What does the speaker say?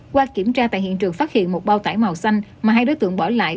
qua kiểm tra tại hiện trường phát hiện một bao tải màu xanh mà hai đối tượng bỏ lại